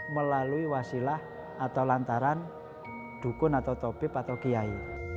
melalui wasilah atau lantaran dukun atau topib atau kiai